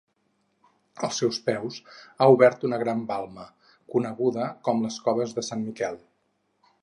Als seus peus ha obert una gran balma, coneguda com les Coves de Sant Miquel.